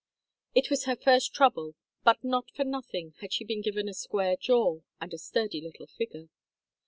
It was her first trouble, but not for nothing had she been given a square jaw and a sturdy little figure.